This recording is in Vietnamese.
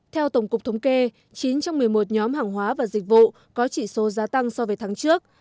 theo tổng cục thống kê chín trong một mươi một nhóm hàng hóa và dịch vụ có chỉ số giá tăng so với tháng trước